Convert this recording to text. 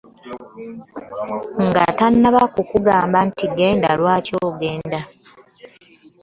Nga tannaba kukugamba nti genda lwaki ogenda.